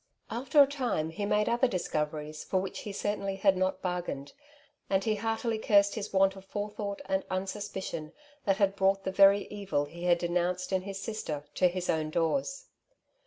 After a time he made other discoveries for which he certainly had not bargained, and he heartily cursed his want of fore thought and unsuspicion that had brought the very evil he had denounced in his sister to his own doors.